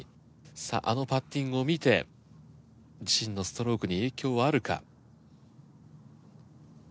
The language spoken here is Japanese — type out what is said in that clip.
さああのパッティングを見て自身のストロークに影響はあるか？